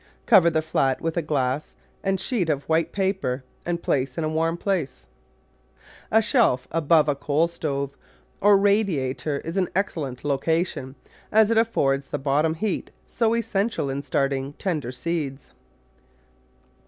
Cover the flat with a glass and sheet of white paper and place in a warm place — a shelf above a coal stove or radiator is an ex cellent location, as it affords the bottom heat so es sential in starting tender seeds.